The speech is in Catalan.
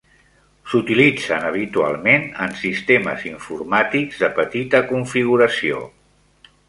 S'utilitzen habitualment en sistemes informàtics de petita configuració.